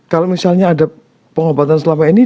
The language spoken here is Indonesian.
kalau misalnya ada pengobatan selama ini